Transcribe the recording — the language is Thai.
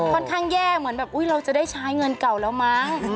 ค่อนข้างแย่เหมือนแบบอุ๊ยเราจะได้ใช้เงินเก่าแล้วมั้ง